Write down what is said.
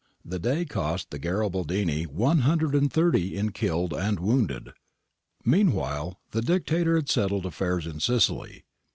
^ The day cost the Garibaldini 130 in killed and wounded.'"' Meanwhile, the Dictator had settled affairs in Sicily.